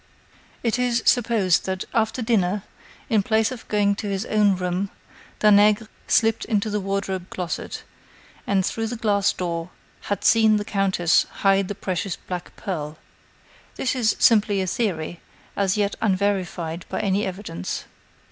"It is supposed that, after dinner, in place of going to his own room, Danègre slipped into the wardrobe closet, and, through the glass door, had seen the countess hide the precious black pearl. This is simply a theory, as yet unverified by any evidence.